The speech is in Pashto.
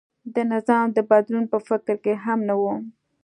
د نظام د بدلون په فکر کې هم نه و.